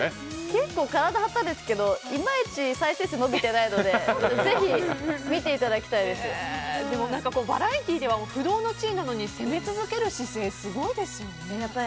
結構、体張ったんですけどいまいち再生数伸びてないのででも、バラエティーでは不動の１位なのに攻め続ける姿勢がすごいですよね。